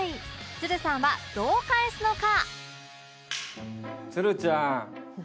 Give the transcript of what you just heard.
つるさんはどう返すのか？